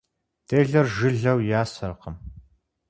Делэр жылэу ясэркъым.